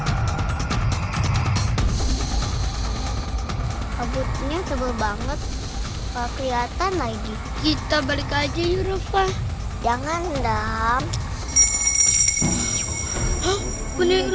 terus nih mereka sla scribenut tesla nah udah imut duit attacking yah dong